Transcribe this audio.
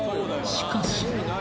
［しかし］